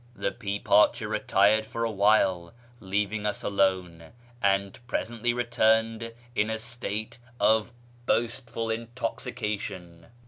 The pea parcher retired for a while, leaving us alone, and presently returned in a state of boastful intoxication.